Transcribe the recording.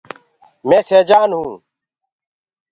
مي سيجآن هونٚ۔